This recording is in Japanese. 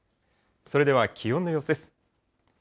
それでは、気温の様子です。